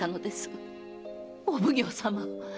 お奉行様！